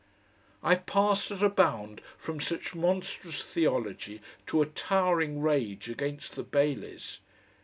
I passed at a bound from such monstrous theology to a towering rage against the Baileys.